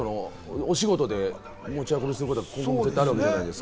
お仕事で持ち運びすることだってあるわけじゃないですか。